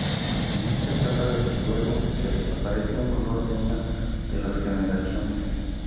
En esta etapa del juego desaparece un color de una de las generaciones.